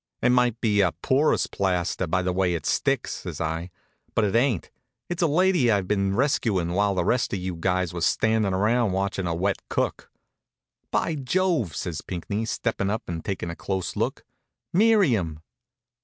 "It might be a porous plaster, by the way it sticks," says I, "but it ain't. It's a lady I've been rescuin' while the rest of you guys was standin' around watchin' a wet cook." "By Jove!" says Pinckney, steppin' up and takin' a close look. "Miriam!"